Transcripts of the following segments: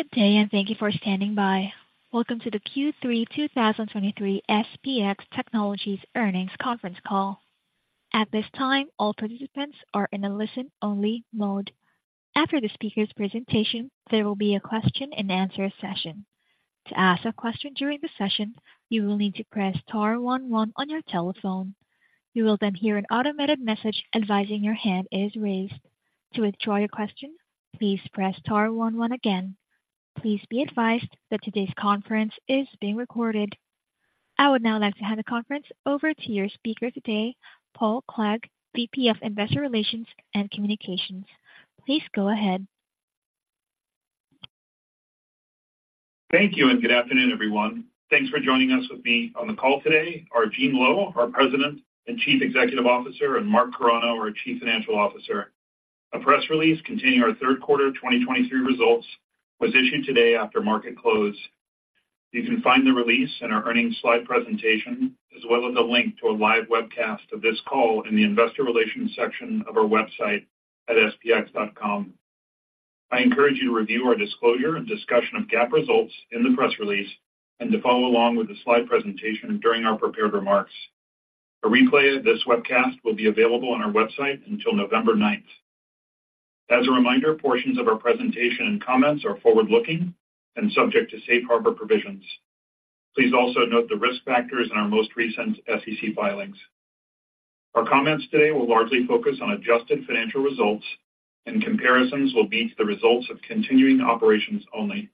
Good day, and thank you for standing by. Welcome to the Q3 2023 SPX Technologies Earnings Conference Call. At this time, all participants are in a listen-only mode. After the speaker's presentation, there will be a question-and-answer session. To ask a question during the session, you will need to press star one on your telephone. You will then hear an automated message advising your hand is raised. To withdraw your question, please press star one one again. Please be advised that today's conference is being recorded. I would now like to hand the conference over to your speaker today, Paul Clegg, VP of Investor Relations and Communications. Please go ahead. Thank you, and good afternoon, everyone. Thanks for joining us. With me on the call today are Gene Lowe, our President and Chief Executive Officer, and Mark Carano, our Chief Financial Officer. A press release containing our third quarter 2023 results was issued today after market close. You can find the release in our earnings slide presentation, as well as a link to a live webcast of this call in the Investor Relations section of our website at spx.com. I encourage you to review our disclosure and discussion of GAAP results in the press release and to follow along with the slide presentation during our prepared remarks. A replay of this webcast will be available on our website until November ninth. As a reminder, portions of our presentation and comments are forward-looking and subject to safe harbor provisions. Please also note the risk factors in our most recent SEC filings. Our comments today will largely focus on adjusted financial results, and comparisons will be to the results of continuing operations only.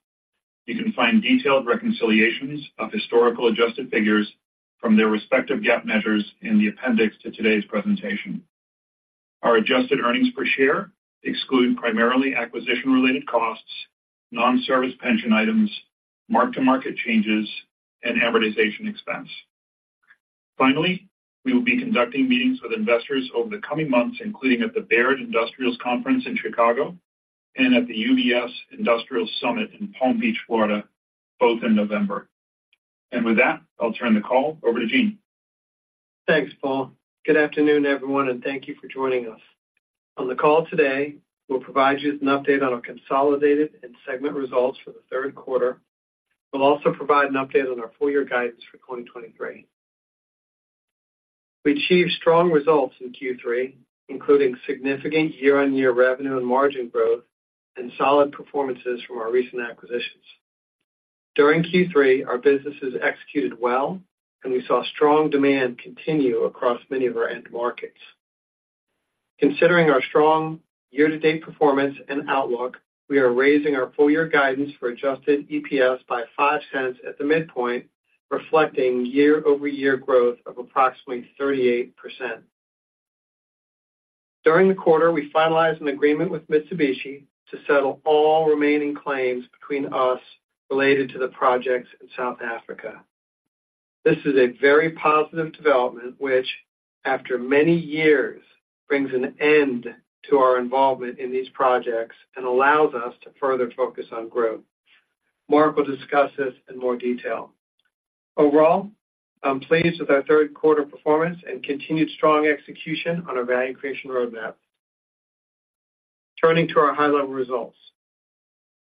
You can find detailed reconciliations of historical adjusted figures from their respective GAAP measures in the appendix to today's presentation. Our adjusted earnings per share exclude primarily acquisition-related costs, non-service pension items, mark-to-market changes, and amortization expense. Finally, we will be conducting meetings with investors over the coming months, including at the Baird Industrials Conference in Chicago and at the UBS Industrial Summit in Palm Beach, Florida, both in November. With that, I'll turn the call over to Gene. Thanks, Paul. Good afternoon, everyone, and thank you for joining us. On the call today, we'll provide you with an update on our consolidated and segment results for the third quarter. We'll also provide an update on our full-year guidance for 2023. We achieved strong results in Q3, including significant year-over-year revenue and margin growth and solid performances from our recent acquisitions. During Q3, our businesses executed well, and we saw strong demand continue across many of our end markets. Considering our strong year-to-date performance and outlook, we are raising our full-year guidance for adjusted EPS by $0.05 at the midpoint, reflecting year-over-year growth of approximately 38%. During the quarter, we finalized an agreement with Mitsubishi to settle all remaining claims between us related to the projects in South Africa. This is a very positive development, which, after many years, brings an end to our involvement in these projects and allows us to further focus on growth. Mark will discuss this in more detail. Overall, I'm pleased with our third quarter performance and continued strong execution on our value creation roadmap. Turning to our high-level results.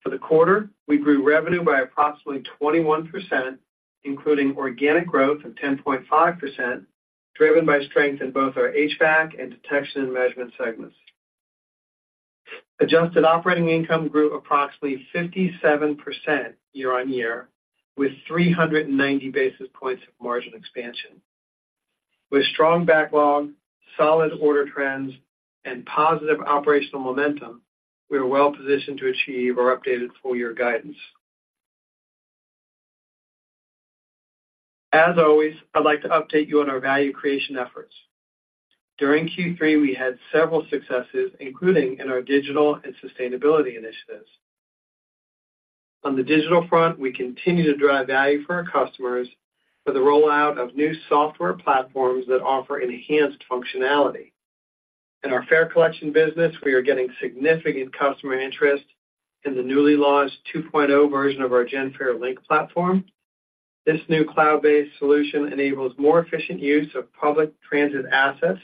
For the quarter, we grew revenue by approximately 21%, including organic growth of 10.5%, driven by strength in both our HVAC and detection and measurement segments. Adjusted operating income grew approximately 57% year-on-year, with 390 basis points of margin expansion. With strong backlog, solid order trends, and positive operational momentum, we are well positioned to achieve our updated full-year guidance. As always, I'd like to update you on our value creation efforts. During Q3, we had several successes, including in our digital and sustainability initiatives. On the digital front, we continue to drive value for our customers with the rollout of new software platforms that offer enhanced functionality. In our fare collection business, we are getting significant customer interest in the newly launched 2.0 version of our Genfare Link platform. This new cloud-based solution enables more efficient use of public transit assets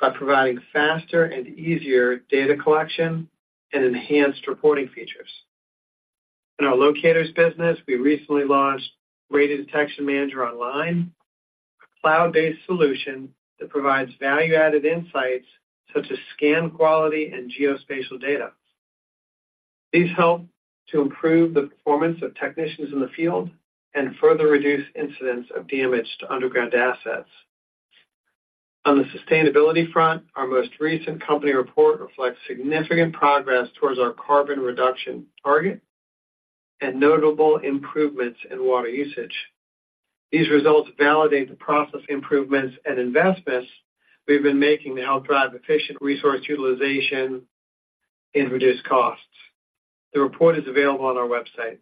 by providing faster and easier data collection and enhanced reporting features. In our locators business, we recently launched Radiodetection Manager Online, a cloud-based solution that provides value-added insights such as scan quality and geospatial data. These help to improve the performance of technicians in the field and further reduce incidents of damage to underground assets. On the sustainability front, our most recent company report reflects significant progress towards our carbon reduction target and notable improvements in water usage. These results validate the process improvements and investments we've been making to help drive efficient resource utilization and reduce costs. The report is available on our website.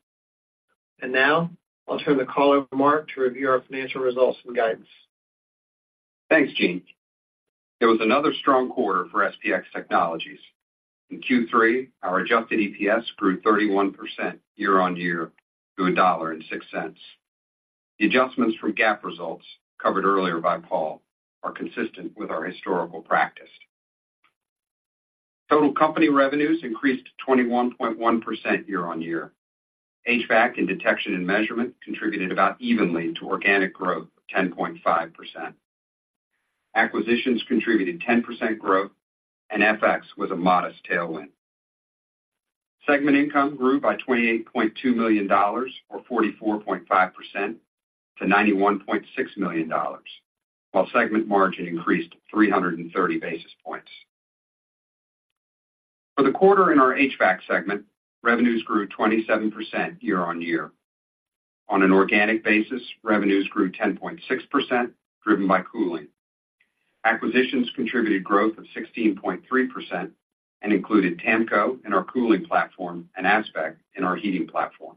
And now I'll turn the call over to Mark to review our financial results and guidance. Thanks, Gene. It was another strong quarter for SPX Technologies. In Q3, our adjusted EPS grew 31% year-on-year to $1.06. The adjustments from GAAP results covered earlier by Paul are consistent with our historical practice.... Total company revenues increased 21.1% year-on-year. HVAC and detection and measurement contributed about evenly to organic growth of 10.5%. Acquisitions contributed 10% growth, and FX was a modest tailwind. Segment income grew by $28.2 million, or 44.5% to $91.6 million, while segment margin increased 330 basis points. For the quarter in our HVAC segment, revenues grew 27% year-on-year. On an organic basis, revenues grew 10.6%, driven by cooling. Acquisitions contributed growth of 16.3% and included TAMCO in our cooling platform and ASPEQ in our heating platform.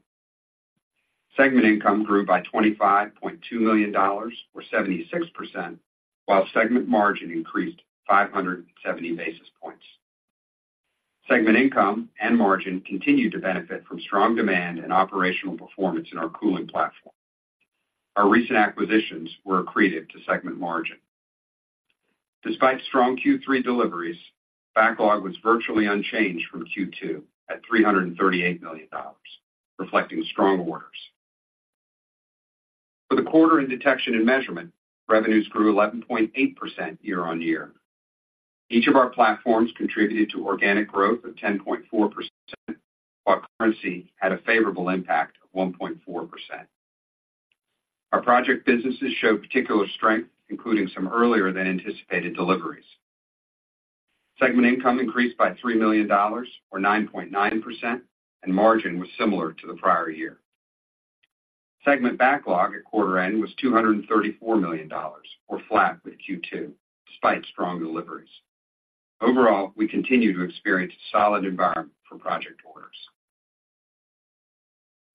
Segment income grew by $25.2 million, or 76%, while segment margin increased 570 basis points. Segment income and margin continued to benefit from strong demand and operational performance in our cooling platform. Our recent acquisitions were accretive to segment margin. Despite strong Q3 deliveries, backlog was virtually unchanged from Q2 at $338 million, reflecting strong orders. For the quarter in detection and measurement, revenues grew 11.8% year-on-year. Each of our platforms contributed to organic growth of 10.4%, while currency had a favorable impact of 1.4%. Our project businesses showed particular strength, including some earlier than anticipated deliveries. Segment income increased by $3 million, or 9.9%, and margin was similar to the prior year. Segment backlog at quarter end was $234 million, or flat with Q2, despite strong deliveries. Overall, we continue to experience a solid environment for project orders.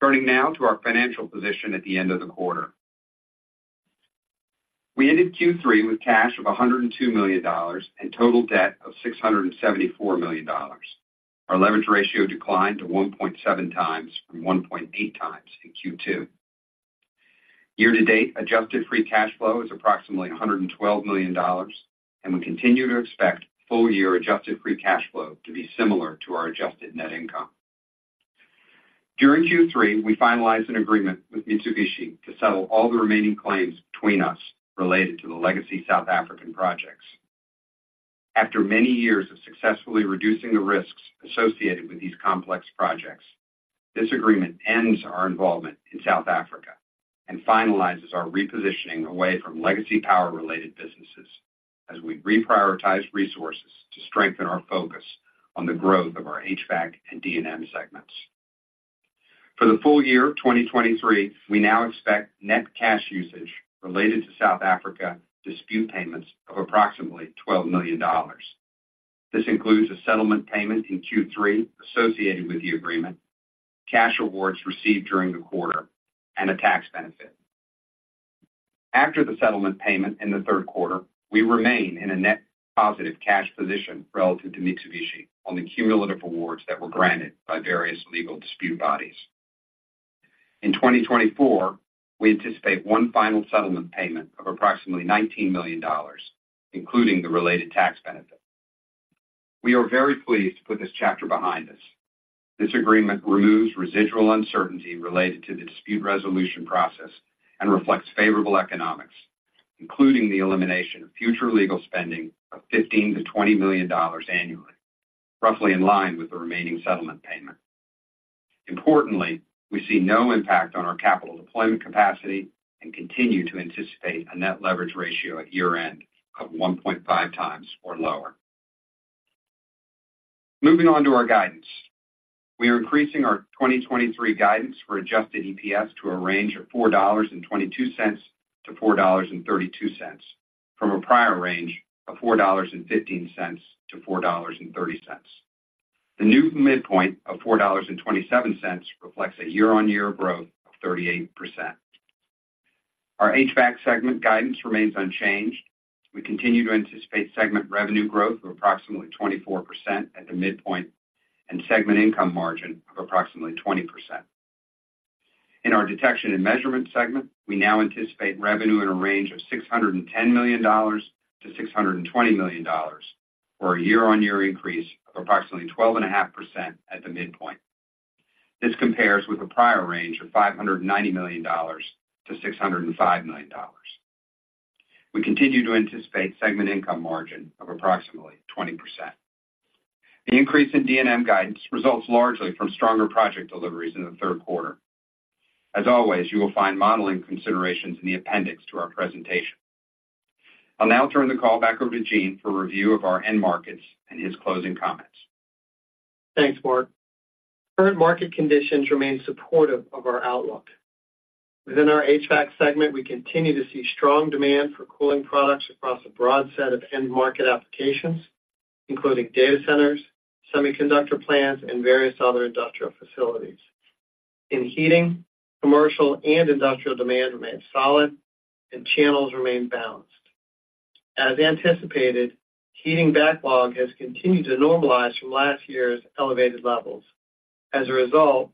Turning now to our financial position at the end of the quarter. We ended Q3 with cash of $102 million and total debt of $674 million. Our leverage ratio declined to 1.7x from 1.8x in Q2. Year to date, adjusted free cash flow is approximately $112 million, and we continue to expect full year adjusted free cash flow to be similar to our adjusted net income. During Q3, we finalized an agreement with Mitsubishi to settle all the remaining claims between us related to the legacy South African projects. After many years of successfully reducing the risks associated with these complex projects, this agreement ends our involvement in South Africa and finalizes our repositioning away from legacy power-related businesses as we reprioritize resources to strengthen our focus on the growth of our HVAC and D&M segments. For the full year 2023, we now expect net cash usage related to South Africa dispute payments of approximately $12 million. This includes a settlement payment in Q3 associated with the agreement, cash awards received during the quarter, and a tax benefit. After the settlement payment in the third quarter, we remain in a net positive cash position relative to Mitsubishi on the cumulative awards that were granted by various legal dispute bodies. In 2024, we anticipate one final settlement payment of approximately $19 million, including the related tax benefit. We are very pleased to put this chapter behind us. This agreement removes residual uncertainty related to the dispute resolution process and reflects favorable economics, including the elimination of future legal spending of $15 million-$20 million annually, roughly in line with the remaining settlement payment. Importantly, we see no impact on our capital deployment capacity and continue to anticipate a net leverage ratio at year-end of 1.5x or lower. Moving on to our guidance. We are increasing our 2023 guidance for adjusted EPS to a range of $4.22-$4.32, from a prior range of $4.15-$4.30. The new midpoint of $4.27 reflects a year-over-year growth of 38%. Our HVAC segment guidance remains unchanged. We continue to anticipate segment revenue growth of approximately 24% at the midpoint and segment income margin of approximately 20%. In our detection and measurement segment, we now anticipate revenue in a range of $610 million-$620 million, or a year-over-year increase of approximately 12.5% at the midpoint. This compares with a prior range of $590 million-$605 million. We continue to anticipate segment income margin of approximately 20%. The increase in D&M guidance results largely from stronger project deliveries in the third quarter. As always, you will find modeling considerations in the appendix to our presentation. I'll now turn the call back over to Gene for review of our end markets and his closing comments. Thanks, Mark. Current market conditions remain supportive of our outlook. Within our HVAC segment, we continue to see strong demand for cooling products across a broad set of end market applications, including data centers, semiconductor plants, and various other industrial facilities. In heating, commercial and industrial demand remains solid, and channels remain balanced. As anticipated, heating backlog has continued to normalize from last year's elevated levels.... As a result,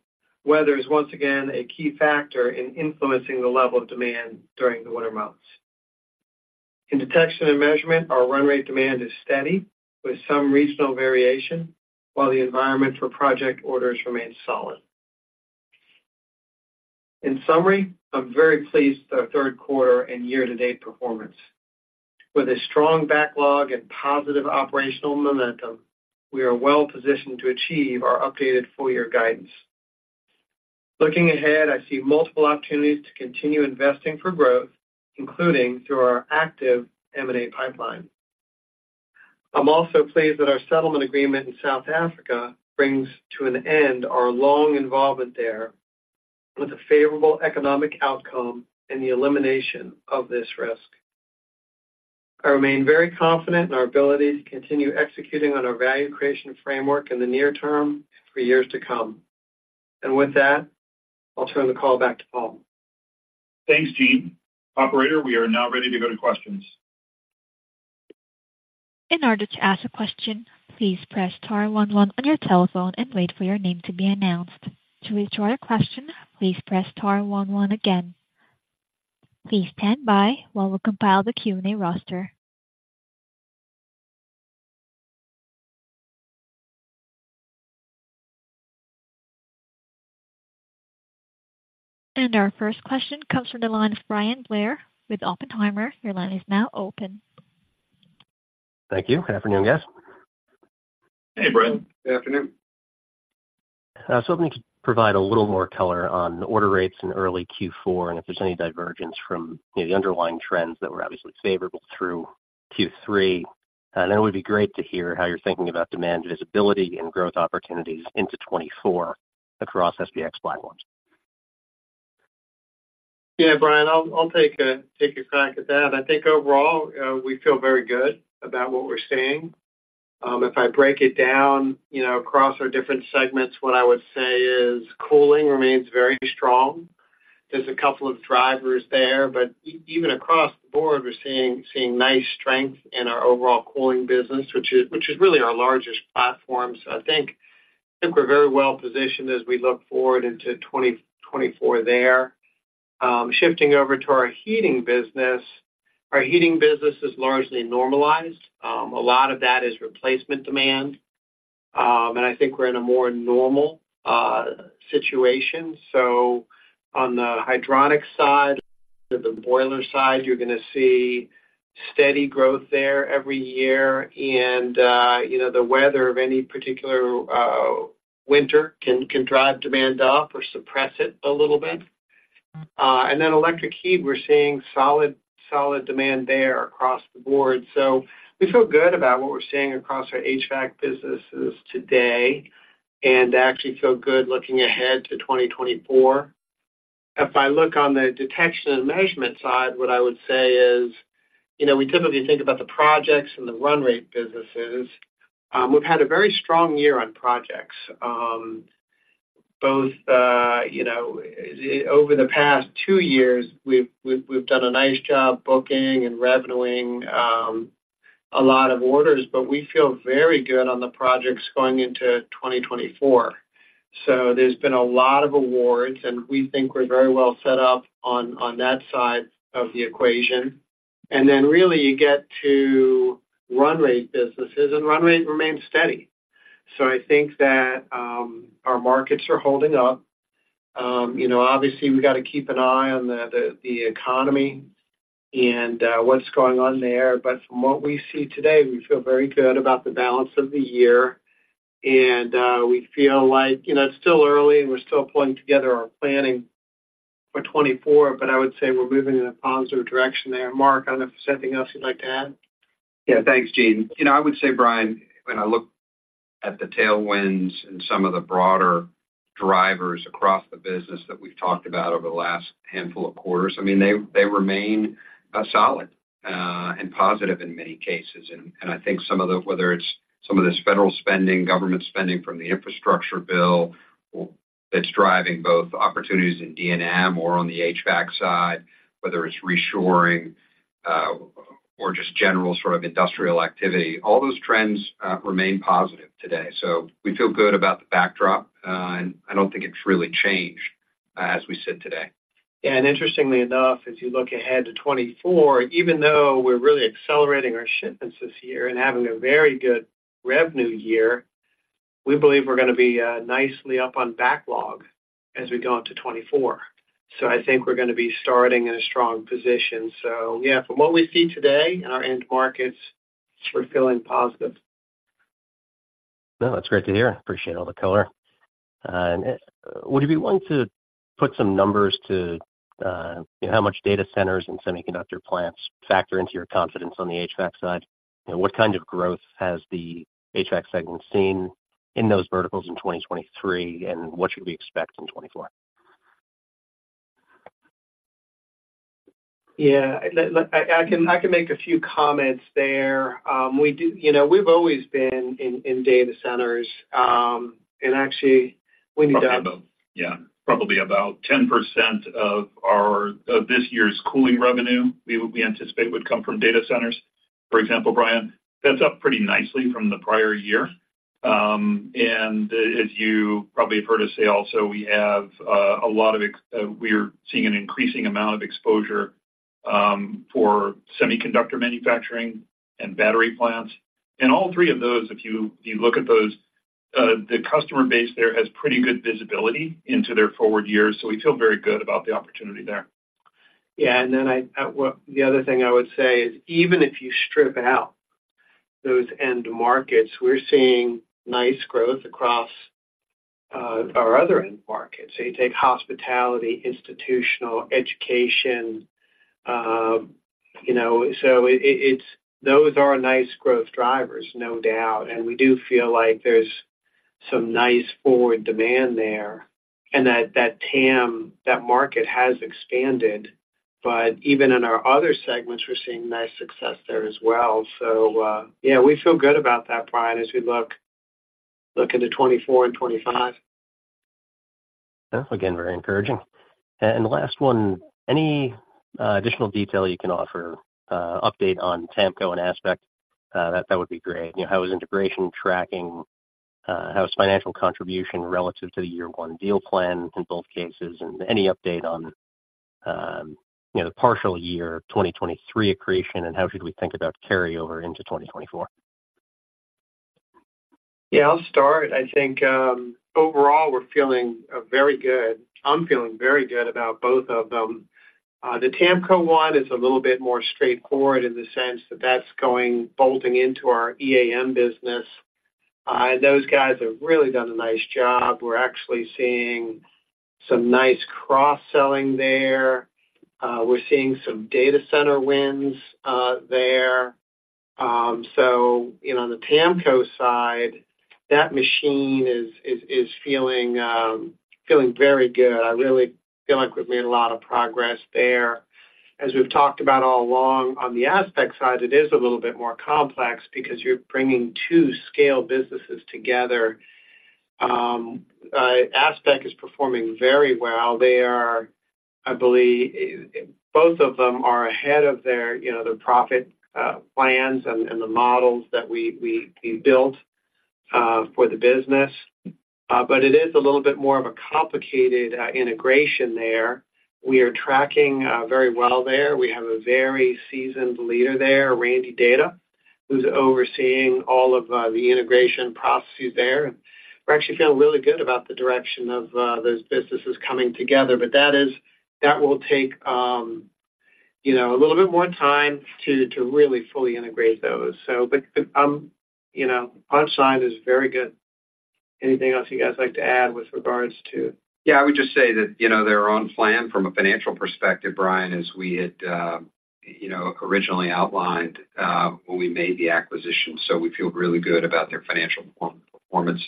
weather is once again a key factor in influencing the level of demand during the winter months. In detection and measurement, our run rate demand is steady, with some regional variation, while the environment for project orders remains solid. In summary, I'm very pleased with our third quarter and year-to-date performance. With a strong backlog and positive operational momentum, we are well positioned to achieve our updated full-year guidance. Looking ahead, I see multiple opportunities to continue investing for growth, including through our active M&A pipeline. I'm also pleased that our settlement agreement in South Africa brings to an end our long involvement there, with a favorable economic outcome and the elimination of this risk. I remain very confident in our ability to continue executing on our value creation framework in the near term and for years to come. With that, I'll turn the call back to Paul. Thanks, Gene. Operator, we are now ready to go to questions. In order to ask a question, please press star one one on your telephone and wait for your name to be announced. To withdraw your question, please press star one one again. Please stand by while we compile the Q&A roster. Our first question comes from the line of Bryan Blair with Oppenheimer. Your line is now open. Thank you. Good afternoon, guys. Hey, Bryan. Good afternoon. I was hoping you could provide a little more color on the order rates in early Q4, and if there's any divergence from the underlying trends that were obviously favorable through Q3, then it would be great to hear how you're thinking about demand visibility and growth opportunities into 2024 across SPX platforms. Yeah, Bryan, I'll take a crack at that. I think overall, we feel very good about what we're seeing. If I break it down, you know, across our different segments, what I would say is cooling remains very strong. There's a couple of drivers there, but even across the board, we're seeing nice strength in our overall cooling business, which is really our largest platform. So I think we're very well positioned as we look forward into 2024 there. Shifting over to our heating business. Our heating business is largely normalized. A lot of that is replacement demand, and I think we're in a more normal situation. So on the hydronic side, to the boiler side, you're gonna see steady growth there every year, and, you know, the weather of any particular winter can drive demand up or suppress it a little bit. And then electric heat, we're seeing solid demand there across the board. So we feel good about what we're seeing across our HVAC businesses today, and actually feel good looking ahead to 2024. If I look on the detection and measurement side, what I would say is, you know, we typically think about the projects and the run rate businesses. We've had a very strong year on projects. Both, you know, over the past two years, we've done a nice job booking and revenuing a lot of orders, but we feel very good on the projects going into 2024. So there's been a lot of awards, and we think we're very well set up on that side of the equation. And then really, you get to run rate businesses, and run rate remains steady. So I think that our markets are holding up. You know, obviously, we got to keep an eye on the economy and what's going on there. But from what we see today, we feel very good about the balance of the year, and we feel like... You know, it's still early, and we're still pulling together our planning for 2024, but I would say we're moving in a positive direction there. Mark, I don't know if there's anything else you'd like to add? Yeah. Thanks, Gene. You know, I would say, Bryan, when I look at the tailwinds and some of the broader drivers across the business that we've talked about over the last handful of quarters, I mean, they, they remain solid and positive in many cases. And I think some of the, whether it's some of this federal spending, government spending from the Infrastructure Bill, that's driving both opportunities in D&M or on the HVAC side, whether it's reshoring or just general sort of industrial activity, all those trends remain positive today. So we feel good about the backdrop and I don't think it's really changed as we sit today. Yeah, and interestingly enough, as you look ahead to 2024, even though we're really accelerating our shipments this year and having a very good revenue year, we believe we're gonna be nicely up on backlog as we go into 2024. So I think we're gonna be starting in a strong position. So yeah, from what we see today in our end markets, we're feeling positive. No, that's great to hear. Appreciate all the color. And would you be willing to put some numbers to, how much data centers and semiconductor plants factor into your confidence on the HVAC side? And what kind of growth has the HVAC segment seen in those verticals in 2023, and what should we expect in 2024? Yeah. Let—I can make a few comments there. We do... You know, we've always been in data centers, and actually, we need to- Yeah, probably about 10% of this year's cooling revenue, we anticipate would come from data centers. For example, Bryan, that's up pretty nicely from the prior year. And as you probably have heard us say also, we are seeing an increasing amount of exposure for semiconductor manufacturing and battery plants. And all three of those, if you look at those, the customer base there has pretty good visibility into their forward years, so we feel very good about the opportunity there. Yeah, and then the other thing I would say is, even if you strip out those end markets, we're seeing nice growth across our other end markets. So you take hospitality, institutional, education, you know, so it's those are nice growth drivers, no doubt, and we do feel like there's some nice forward demand there, and that TAM, that market has expanded. But even in our other segments, we're seeing nice success there as well. So yeah, we feel good about that, Bryan, as we look into 2024 and 2025. Yeah. Again, very encouraging. And the last one, any additional detail you can offer, update on TAMCO and ASPEQ? That would be great. You know, how is integration tracking? How is financial contribution relative to the year one deal plan in both cases? And any update on, you know, the partial year 2023 accretion, and how should we think about carryover into 2024? Yeah, I'll start. I think, overall, we're feeling very good. I'm feeling very good about both of them. The TAMCO one is a little bit more straightforward in the sense that that's going bolting into our EAM business. Those guys have really done a nice job. We're actually seeing some nice cross-selling there. We're seeing some data center wins there. So, you know, on the TAMCO side, that machine is, is, is feeling feeling very good. I really feel like we've made a lot of progress there. As we've talked about all along, on the ASPEQ side, it is a little bit more complex because you're bringing two scale businesses together. ASPEQ is performing very well. They are... I believe, both of them are ahead of their, you know, their profit plans and the models that we built for the business. But it is a little bit more of a complicated integration there. We are tracking very well there. We have a very seasoned leader there, Randy Data, who's overseeing all of the integration processes there, and we're actually feeling really good about the direction of those businesses coming together. But that is - that will take, you know, a little bit more time to really fully integrate those. So but, you know, on site is very good. Anything else you guys like to add with regards to? Yeah, I would just say that, you know, they're on plan from a financial perspective, Bryan, as we had, you know, originally outlined, when we made the acquisition. So we feel really good about their financial performance.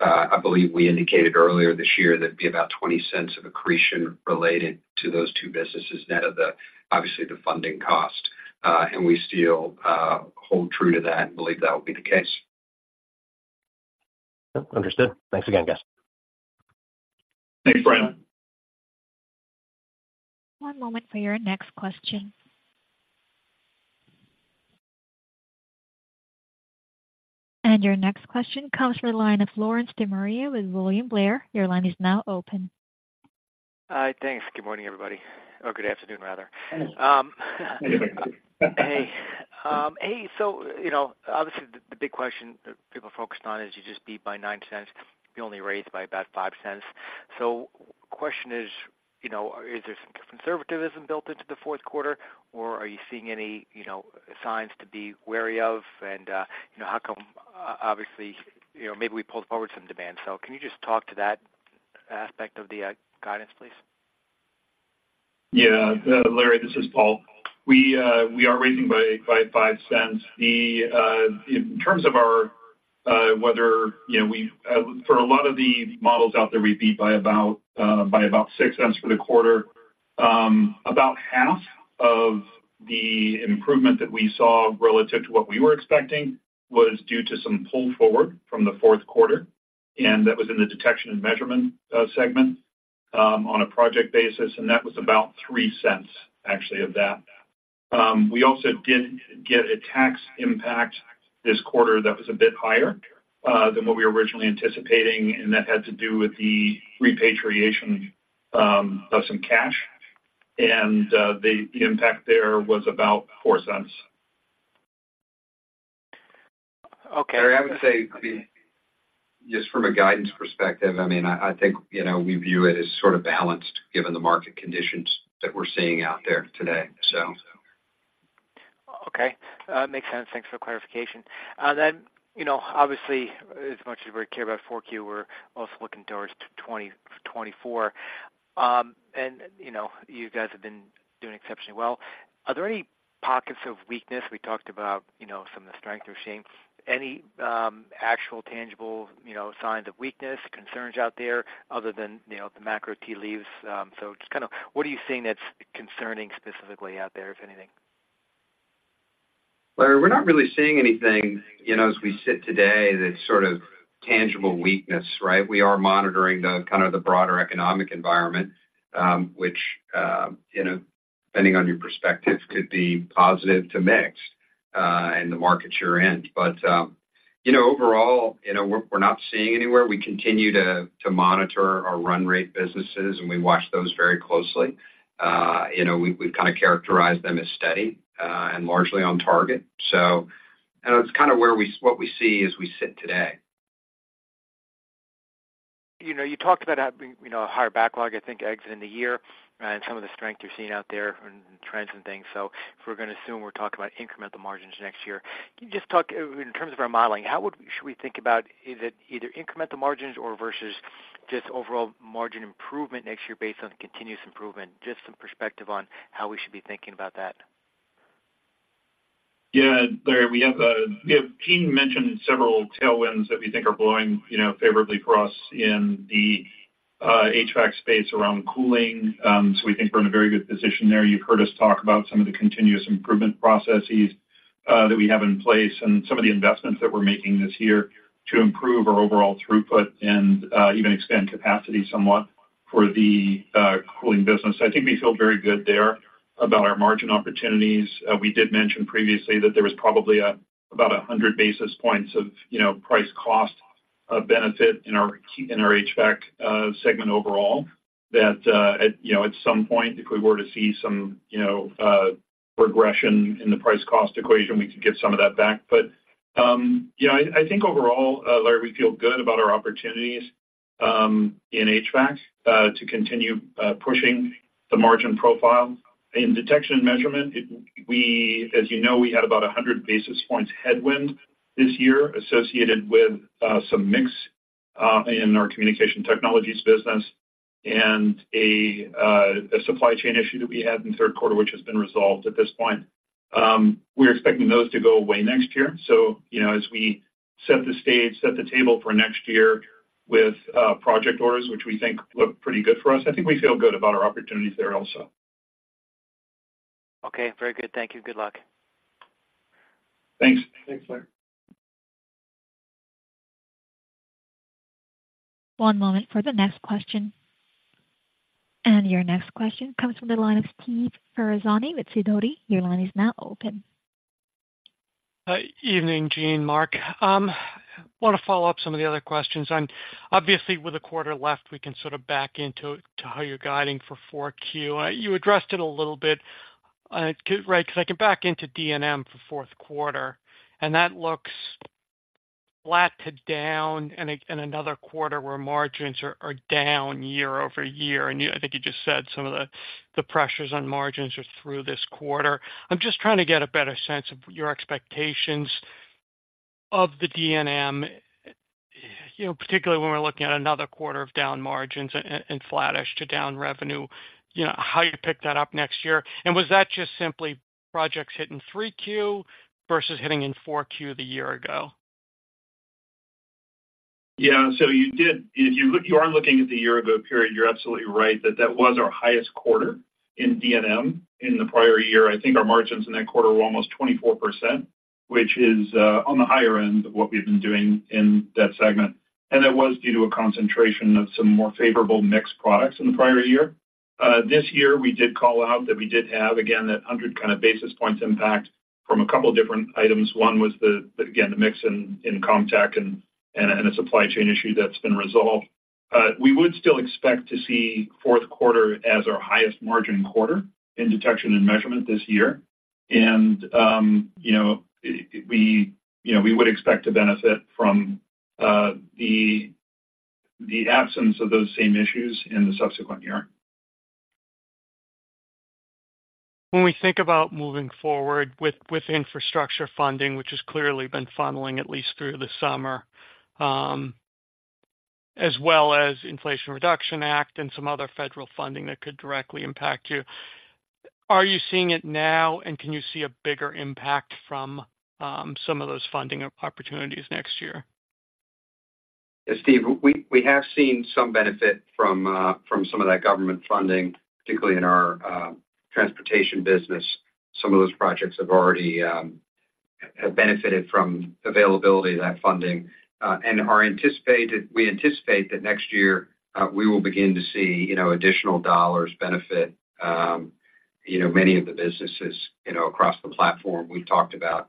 I believe we indicated earlier this year that'd be about $0.20 of accretion related to those two businesses, net of the, obviously, the funding cost. And we still hold true to that and believe that will be the case. Yep. Understood. Thanks again, guys. Thanks, Bryan. One moment for your next question. Your next question comes from the line of Lawrence De Maria with William Blair. Your line is now open. Thanks. Good morning, everybody, or good afternoon, rather. Hey, so, you know, obviously, the big question that people are focused on is you just beat by $0.09. You only raised by about $0.05. So question is, you know, is there some conservatism built into the fourth quarter, or are you seeing any, you know, signs to be wary of? And, you know, how come, obviously, you know, maybe we pulled forward some demand. So can you just talk to that aspect of the guidance, please? Yeah, Larry, this is Paul. We are raising by five cents. In terms of our whether, you know, for a lot of the models out there, we beat by about six cents for the quarter. About half of the improvement that we saw relative to what we were expecting was due to some pull forward from the fourth quarter, and that was in the detection and measurement segment on a project basis, and that was about three cents, actually, of that. We also did get a tax impact this quarter that was a bit higher than what we were originally anticipating, and that had to do with the repatriation of some cash. The impact there was about four cents. Okay. I would say, just from a guidance perspective, I mean, I think, you know, we view it as sort of balanced given the market conditions that we're seeing out there today, so. Okay. Makes sense. Thanks for the clarification. Then, you know, obviously, as much as we care about 4Q, we're also looking towards 2024. And, you know, you guys have been doing exceptionally well. Are there any pockets of weakness? We talked about, you know, some of the strength we're seeing. Any actual tangible, you know, signs of weakness, concerns out there other than, you know, the macro tea leaves. So just kind of what are you seeing that's concerning specifically out there, if anything? Larry, we're not really seeing anything, you know, as we sit today, that sort of tangible weakness, right? We are monitoring the kind of the broader economic environment, which, you know, depending on your perspective, could be positive to mix in the markets you're in. But, you know, overall, you know, we're not seeing anywhere. We continue to monitor our run rate businesses, and we watch those very closely. You know, we've kind of characterized them as steady, and largely on target. So, it's kind of where we see as we sit today. You know, you talked about having, you know, a higher backlog, I think, exiting the year and some of the strength you're seeing out there and trends and things. So if we're going to assume we're talking about incremental margins next year, can you just talk, in terms of our modeling, how would should we think about is it either incremental margins or versus just overall margin improvement next year based on continuous improvement? Just some perspective on how we should be thinking about that. Yeah, Larry, we have, we have, Gene mentioned several tailwinds that we think are blowing, you know, favorably for us in the, HVAC space around cooling. So we think we're in a very good position there. You've heard us talk about some of the continuous improvement processes, that we have in place and some of the investments that we're making this year to improve our overall throughput and, even expand capacity somewhat for the, cooling business. I think we feel very good there about our margin opportunities. We did mention previously that there was probably, about 100 basis points of, you know, price cost, benefit in our, in our HVAC, segment overall. That, at some point, if we were to see some, you know, regression in the price-cost equation, we could get some of that back. But, yeah, I think overall, Larry, we feel good about our opportunities in HVAC to continue pushing the margin profile. In Detection and Measurement, as you know, we had about 100 basis points headwind this year associated with some mix in our communication technologies business and a supply chain issue that we had in the third quarter, which has been resolved at this point. We're expecting those to go away next year. So, you know, as we set the stage, set the table for next year with project orders, which we think look pretty good for us, I think we feel good about our opportunities there also. Okay, very good. Thank you. Good luck. Thanks. Thanks, Larry. One moment for the next question. Your next question comes from the line of Steve Ferazani with Sidoti. Your line is now open. Evening, Gene, Mark. Want to follow up some of the other questions. I'm obviously with a quarter left, we can sort of back into to how you're guiding for 4Q. You addressed it a little bit, could right, because I can back into D&M for fourth quarter, and that looks flat to down in another quarter where margins are down year-over-year. And you, I think you just said some of the pressures on margins are through this quarter. I'm just trying to get a better sense of your expectations of the D&M, you know, particularly when we're looking at another quarter of down margins and flattish to down revenue, you know, how you pick that up next year? And was that just simply projects hitting 3Q versus hitting in 4Q the year ago? Yeah. So you did... If you look, you are looking at the year ago period, you're absolutely right that that was our highest quarter in D&M in the prior year. I think our margins in that quarter were almost 24%, which is on the higher end of what we've been doing in that segment. And that was due to a concentration of some more favorable mix products in the prior year. This year, we did call out that we did have, again, that 100 basis points impact from a couple different items. One was the, again, the mix in CommTech and a supply chain issue that's been resolved. We would still expect to see fourth quarter as our highest margin quarter in detection and measurement this year. You know, you know, we would expect to benefit from the absence of those same issues in the subsequent year. When we think about moving forward with infrastructure funding, which has clearly been funneling at least through the summer, as well as Inflation Reduction Act and some other federal funding that could directly impact you, are you seeing it now, and can you see a bigger impact from some of those funding opportunities next year? Yeah, Steve, we, we have seen some benefit from, from some of that government funding, particularly in our, transportation business. Some of those projects have already, have benefited from availability of that funding, and we anticipate that next year, we will begin to see, you know, additional dollars benefit, you know, many of the businesses, you know, across the platform. We've talked about,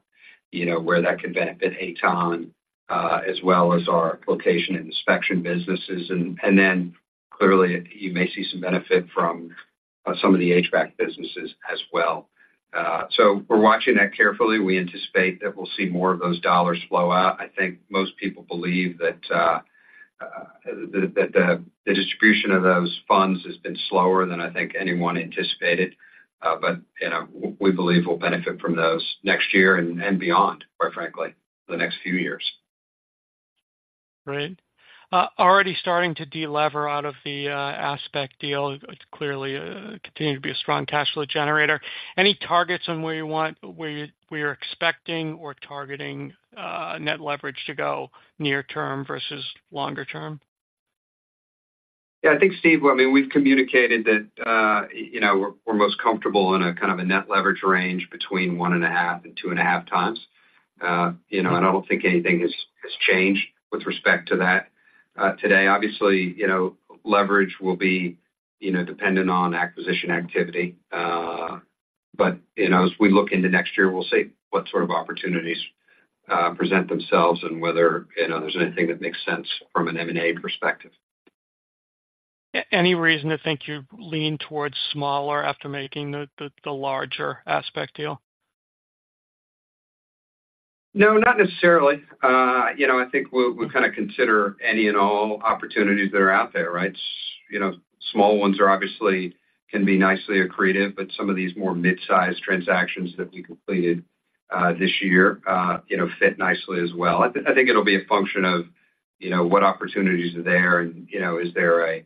you know, where that could benefit AtoN, as well as our location and inspection businesses. And then clearly, you may see some benefit from, some of the HVAC businesses as well. So we're watching that carefully. We anticipate that we'll see more of those dollars flow out. I think most people believe that, that the, the distribution of those funds has been slower than I think anyone anticipated. But, you know, we believe we'll benefit from those next year and beyond, quite frankly, the next few years. Great. Already starting to delever out of the, ASPEQ deal, it's clearly continue to be a strong cash flow generator. Any targets on where you want, where you, we are expecting or targeting, net leverage to go near term versus longer term? Yeah, I think, Steve, well, I mean, we've communicated that, you know, we're most comfortable in a kind of a net leverage range between 1.5x and 2.5x. You know, and I don't think anything has changed with respect to that today. Obviously, you know, leverage will be, you know, dependent on acquisition activity. But, you know, as we look into next year, we'll see what sort of opportunities present themselves and whether, you know, there's anything that makes sense from an M&A perspective. Any reason to think you lean towards smaller after making the larger ASPEQ deal? No, not necessarily. You know, I think we'll kind of consider any and all opportunities that are out there, right? You know, small ones are obviously can be nicely accretive, but some of these more mid-sized transactions that we completed this year, you know, fit nicely as well. I think it'll be a function of, you know, what opportunities are there and, you know, is there a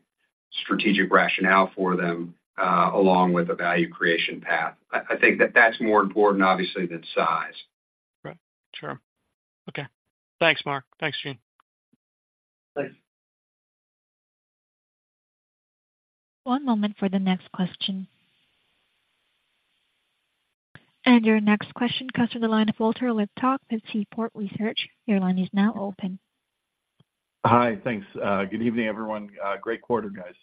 strategic rationale for them, along with a value creation path? I think that that's more important, obviously, than size. Right. Sure. Okay. Thanks, Mark. Thanks, Gene. Thanks. One moment for the next question. And your next question comes from the line of Walter Liptak with Seaport Research. Your line is now open. Hi. Thanks. Good evening, everyone. Great quarter, guys.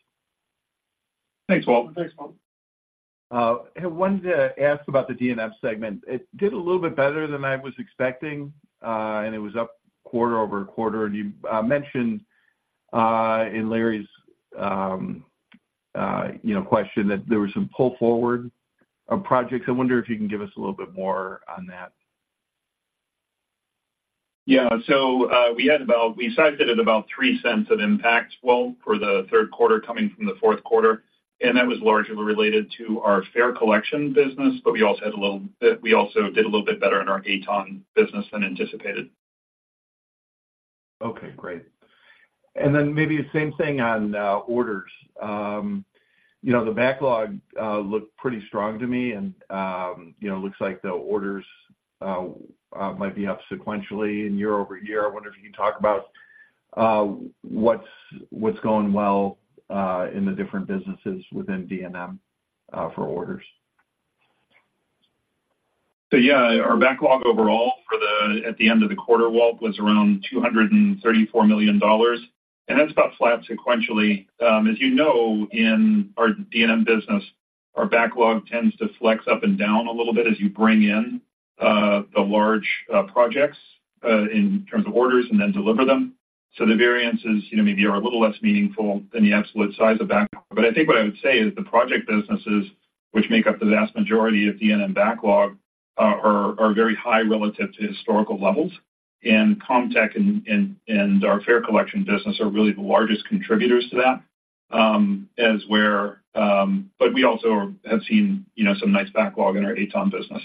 Thanks, Walt. Thanks, Walt. I wanted to ask about the D&M segment. It did a little bit better than I was expecting, and it was up quarter-over-quarter. And you mentioned in Larry's, you know, question that there was some pull forward of projects. I wonder if you can give us a little bit more on that. Yeah. So, we had about... We sized it at about $0.03 of impact, well, for the third quarter coming from the fourth quarter, and that was largely related to our fare collection business, but we also had a little bit, we also did a little bit better in our AtoN business than anticipated. Okay, great. And then maybe the same thing on orders. You know, the backlog looked pretty strong to me and, you know, looks like the orders might be up sequentially and year over year. I wonder if you can talk about what's going well in the different businesses within D&M for orders. So, yeah, our backlog overall for the, at the end of the quarter, Walt, was around $234 million, and that's about flat sequentially. As you know, in our D&M business, our backlog tends to flex up and down a little bit as you bring in the large projects in terms of orders and then deliver them. So the variances, you know, maybe are a little less meaningful than the absolute size of backlog. But I think what I would say is the project businesses, which make up the vast majority of D&M backlog, are very high relative to historical levels, and CommTech and our fare collection business are really the largest contributors to that, as where. But we also have seen, you know, some nice backlog in our AtoN business.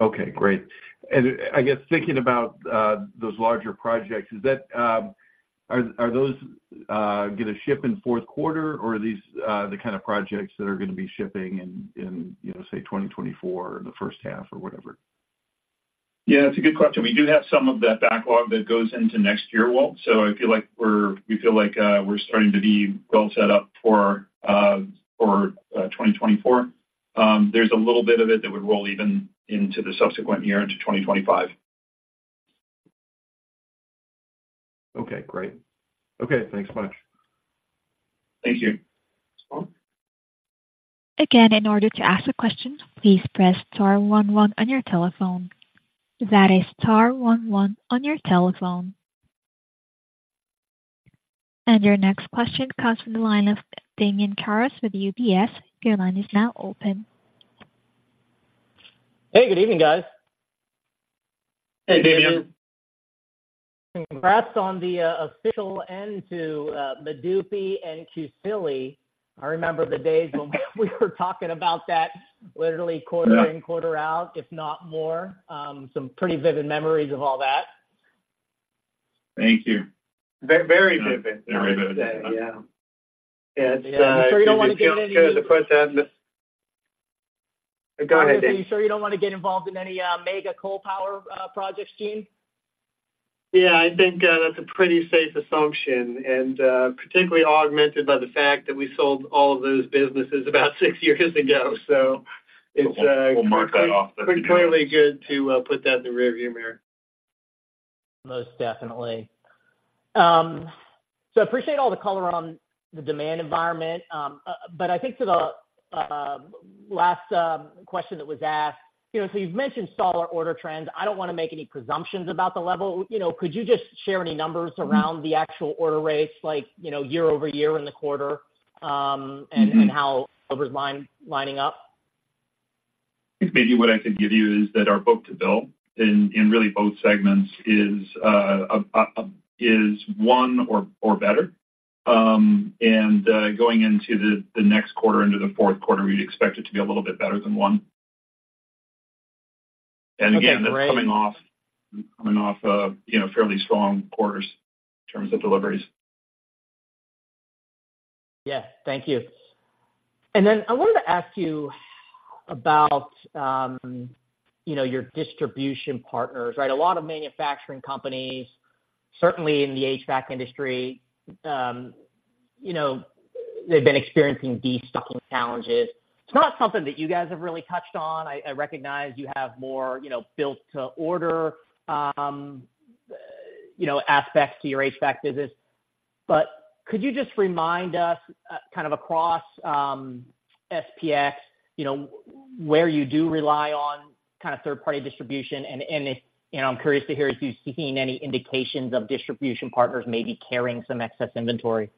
Okay, great. And I guess thinking about those larger projects, is that, are those going to ship in fourth quarter, or are these the kind of projects that are going to be shipping in, in, you know, say, 2024, in the first half or whatever? Yeah, it's a good question. We do have some of that backlog that goes into next year, Walt. So I feel like we feel like we're starting to be well set up for 2024. There's a little bit of it that would roll even into the subsequent year, into 2025. Okay, great. Okay, thanks much. Thank you. Thanks, Walt. Again, in order to ask a question, please press star one one on your telephone. That is star one one on your telephone. And your next question comes from the line of Damian Karas with UBS. Your line is now open. Hey, good evening, guys. Hey, Damian. Hey, Damian. Congrats on the official end to Medupi and Kusile. I remember the days when we were talking about that literally quarter in, quarter out, if not more. Some pretty vivid memories of all that. Thank you. Ve-very vivid. Very vivid. Yeah. Yeah. It's, Sure you don't want to get any- Go ahead, Dan. Are you sure you don't want to get involved in any, mega coal power, projects, Gene? Yeah, I think, that's a pretty safe assumption, and, particularly augmented by the fact that we sold all of those businesses about six years ago. So it's, We'll mark that off. Pretty clearly good to put that in the rearview mirror. Most definitely. So appreciate all the color on the demand environment. But I think to the last question that was asked, you know, so you've mentioned solar order trends. I don't want to make any presumptions about the level. You know, could you just share any numbers around the actual order rates, like, you know, year-over-year in the quarter, and how they're lining up? Maybe what I could give you is that our Book to Bill in really both segments is one or better. And going into the next quarter, into the fourth quarter, we'd expect it to be a little bit better than one. Okay, great. Again, that's coming off, coming off, you know, fairly strong quarters in terms of deliveries. Yeah, thank you. And then I wanted to ask you about, you know, your distribution partners, right? A lot of manufacturing companies, certainly in the HVAC industry, you know, they've been experiencing destocking challenges. It's not something that you guys have really touched on. I recognize you have more, you know, built to order, you know, aspects to your HVAC business. But could you just remind us, kind of across, SPX, you know, where you do rely on kind of third-party distribution? And, you know, I'm curious to hear if you're seeing any indications of distribution partners may be carrying some excess inventory.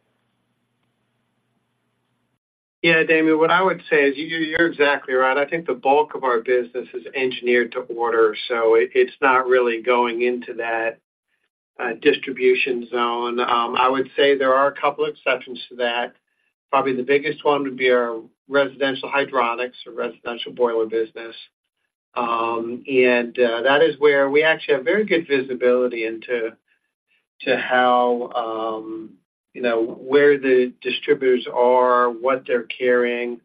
Yeah, Damian, what I would say is you, you're exactly right. I think the bulk of our business is engineered to order, so it, it's not really going into that distribution zone. I would say there are a couple exceptions to that. Probably the biggest one would be our residential hydronics or residential boiler business. And that is where we actually have very good visibility into how you know where the distributors are, what they're carrying.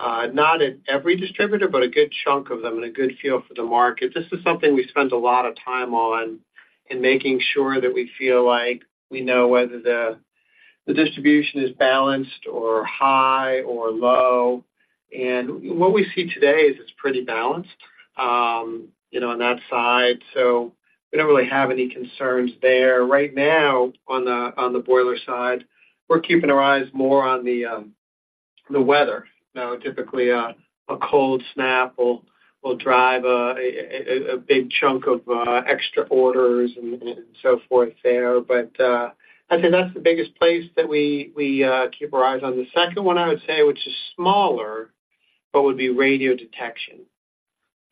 Not at every distributor, but a good chunk of them and a good feel for the market. This is something we spend a lot of time on in making sure that we feel like we know whether the distribution is balanced or high or low. What we see today is it's pretty balanced, you know, on that side, so we don't really have any concerns there. Right now, on the boiler side, we're keeping our eyes more on the weather. Now, typically, a cold snap will drive a big chunk of extra orders and so forth there. But, I'd say that's the biggest place that we keep our eyes on. The second one, I would say, which is smaller, but would be Radiodetection.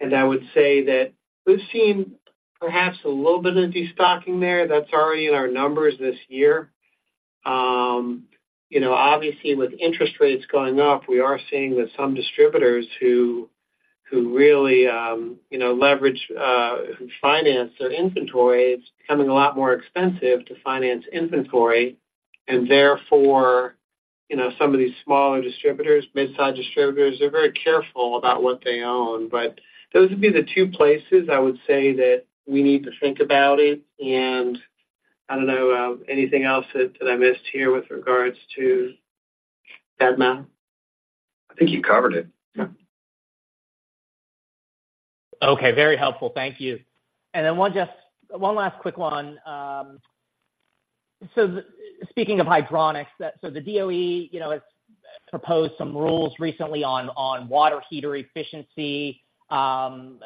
And I would say that we've seen perhaps a little bit of destocking there. That's already in our numbers this year. You know, obviously, with interest rates going up, we are seeing that some distributors who really, you know, leverage who finance their inventory, it's becoming a lot more expensive to finance inventory, and therefore, you know, some of these smaller distributors, mid-size distributors, are very careful about what they own. But those would be the two places I would say that we need to think about it. And I don't know anything else that I missed here with regards to that, Matt? I think you covered it. Yeah. Okay, very helpful. Thank you. And then one last quick one. So speaking of hydronics, so the DOE, you know, has proposed some rules recently on water heater efficiency. I'm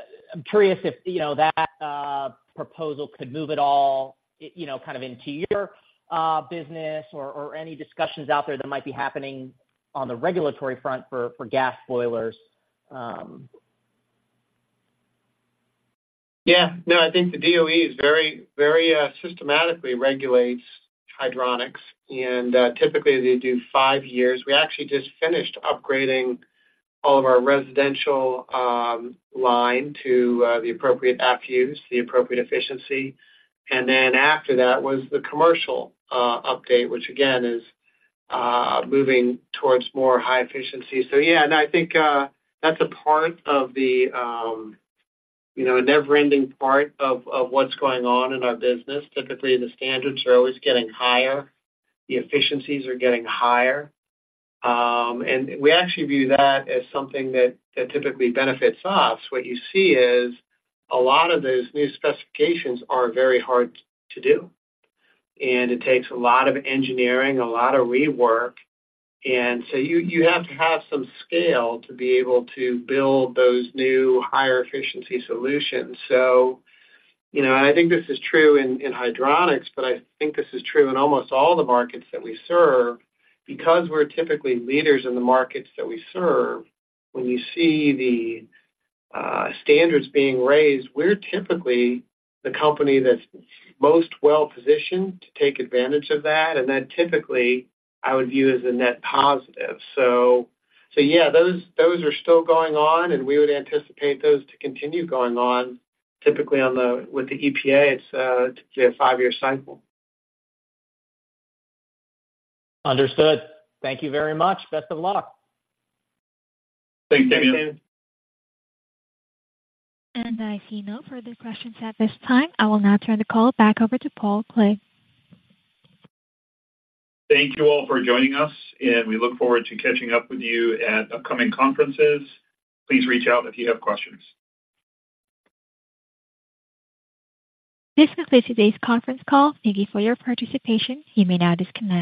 curious if, you know, that proposal could move at all, you know, kind of into your business or any discussions out there that might be happening on the regulatory front for gas boilers? Yeah. No, I think the DOE is very, very, systematically regulates hydronics, and, typically, they do five years. We actually just finished upgrading all of our residential line to the appropriate AFUE, the appropriate efficiency. And then after that was the commercial update, which again is moving towards more high efficiency. So yeah, and I think that's a part of the, you know, a never-ending part of what's going on in our business. Typically, the standards are always getting higher, the efficiencies are getting higher. And we actually view that as something that typically benefits us. What you see is a lot of those new specifications are very hard to do, and it takes a lot of engineering, a lot of rework, and so you, you have to have some scale to be able to build those new, higher efficiency solutions. So, you know, and I think this is true in, in hydronics, but I think this is true in almost all the markets that we serve. Because we're typically leaders in the markets that we serve, when we see the standards being raised, we're typically the company that's most well-positioned to take advantage of that, and then typically, I would view as a net positive. So, so yeah, those, those are still going on, and we would anticipate those to continue going on. Typically, on the with the EPA, it's typically a five-year cycle. Understood. Thank you very much. Best of luck. Thanks, Damian. I see no further questions at this time. I will now turn the call back over to Paul Clegg. Thank you all for joining us, and we look forward to catching up with you at upcoming conferences. Please reach out if you have questions. This concludes today's conference call. Thank you for your participation. You may now disconnect.